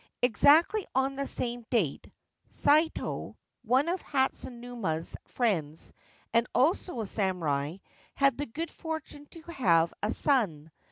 Exactly on the same date, ' Saito,' one of Hasunuma's friends and also a samurai, had the good fortune to have a son.